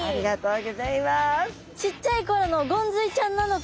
ちっちゃい頃のゴンズイちゃんなのか。